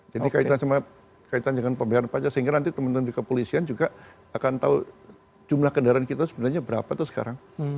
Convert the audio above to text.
jadi kaitan dengan pembayaran pajak sehingga nanti teman teman di kepolisian juga akan tahu jumlah kendaraan kita sebenarnya berapa tuh sekarang